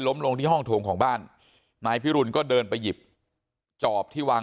ลงที่ห้องโถงของบ้านนายพิรุณก็เดินไปหยิบจอบที่วาง